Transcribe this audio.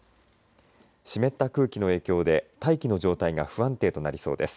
湿った空気の影響で大気の状態が不安定となりそうです。